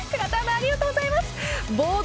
ありがとうございます。